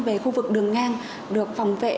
về khu vực đường ngang được phòng vệ